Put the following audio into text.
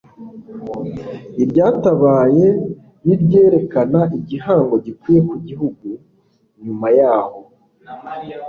iryatabaye n'iryerekana igihango gikwiye ku gihugu nyuma yaho.